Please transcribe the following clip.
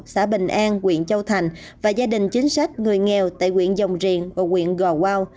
xã bình an huyện châu thành và gia đình chính sách người nghèo tại huyện dòng riền và huyện gò quao